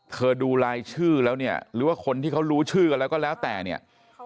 ดูรายชื่อแล้วเนี่ยหรือว่าคนที่เขารู้ชื่อกันแล้วก็แล้วแต่เนี่ย